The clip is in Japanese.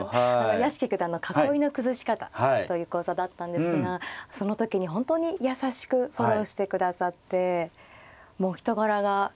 屋敷九段の「囲いの崩し方」という講座だったんですがその時に本当に優しくフォローしてくださってもう人柄が。